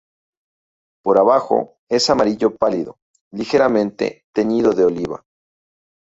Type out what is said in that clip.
Por abajo es amarillo pálido, ligeramente teñido de oliva.